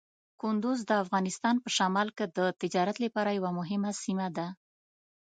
کندز د افغانستان په شمال کې د تجارت لپاره یوه مهمه سیمه ده.